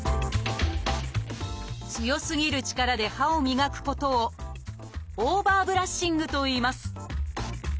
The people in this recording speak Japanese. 強すぎる力で歯を磨くことを「オーバーブラッシング」といいます。